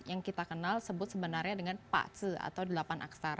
yang kita kenal sebut sebenarnya dengan patse atau delapan aksara